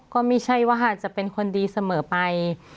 ก็ไม่ใช่ว่าจะเป็นคนดีเสมอไป